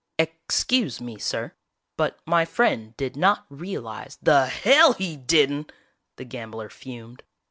"Ex cuse me, sir, but my friend did not real ize " "The hell he didn't!" The gambler fumed.